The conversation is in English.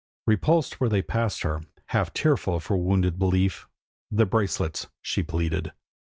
Repulsed where they passed her, half tearful for wounded belief, 'The bracelets!' she pleaded.